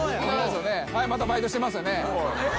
またバイトしてますよね。